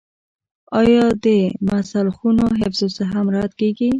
آیا د مسلخونو حفظ الصحه مراعات کیږي؟